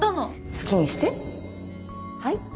好きにしてはい